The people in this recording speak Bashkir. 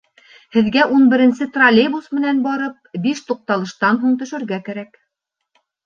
Һеҙгә ун беренсе троллейбус менән барып, биш туҡталыштан һуң төшөргә кәрәк.